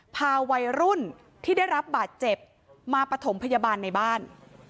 พาวัยรุ่นที่ได้รับบาดเจ็บมาปฐมพยาบาลในบ้าน